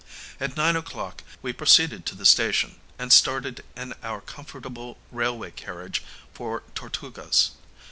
At nine o'clock we proceeded to the station, and started in our comfortable railway carriage for Tortugas.